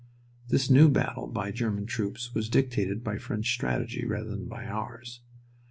This new battle by British troops was dictated by French strategy rather than by ours.